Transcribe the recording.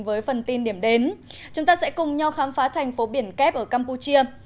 với phần tin điểm đến chúng ta sẽ cùng nhau khám phá thành phố biển kép ở campuchia